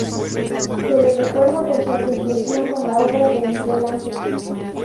Se le recuerda por su asociación con la obra de Miguel Ángel.